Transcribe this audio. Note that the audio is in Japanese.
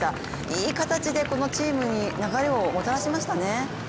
いい形でチームに流れをもたらしましたね。